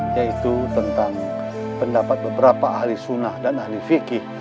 yaitu tentang pendapat beberapa ahli sunnah dan ahli fikih